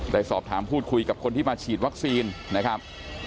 ได้สอบถามพูดคุยกับคนที่มาฉีดวัคซีนนะครับ